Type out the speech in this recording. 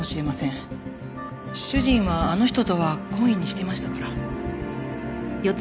主人はあの人とは懇意にしていましたから。